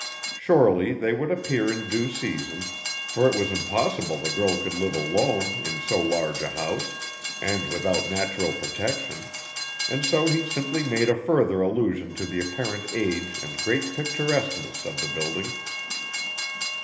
Surely they would appear in due season, for it was impossible the girl could live alone in so large a house, and without natural protection; and so he simply made a further allusion to the apparent age and great picturesqueness of the building.